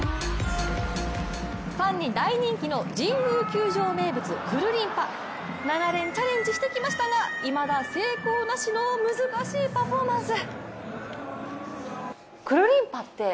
ファンに大人気の神宮球場名物くるりんぱ、長年チャレンジしてきましたがいまだ成功なしの難しいパフォーマンス。